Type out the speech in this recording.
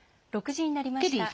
６時になりました。